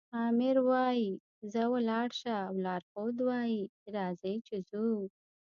آمر وایي ځه ولاړ شه او لارښود وایي راځئ چې ځو.